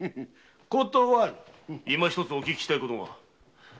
いま一つお聞きしたいことが。